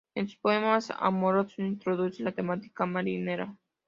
En sus poemas amorosos introduce la temática marinera.